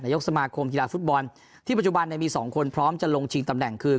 ยกสมาคมกีฬาฟุตบอลที่ปัจจุบันมีสองคนพร้อมจะลงชิงตำแหน่งคือ